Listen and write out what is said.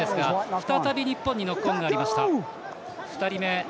再び日本のノックオンがありました。